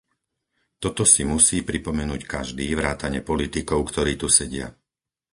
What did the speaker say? Toto si musí pripomenúť každý vrátane politikov, ktorí tu sedia.